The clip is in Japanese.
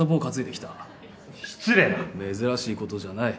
珍しいことじゃない。